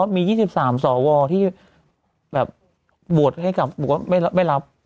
มี๒๓สวที่แบบโหวตให้กับบอกว่าไม่รับ